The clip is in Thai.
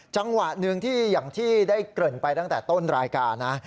จังหวะหนึ่งที่อย่างที่ได้เกริ่นไปตั้งแต่ต้นรายการนะ